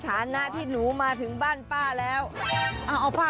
ตอนนี้จะไปตาก